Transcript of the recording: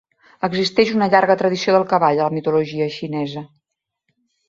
Existeix una llarga tradició del cavall a la mitologia xinesa.